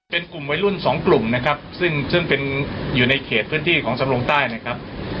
เป็นกลุ่มวัยรุ่นสองกลุ่มนะครับซึ่งซึ่งเป็นอยู่ในเขตพื้นที่ของสำรงใต้นะครับ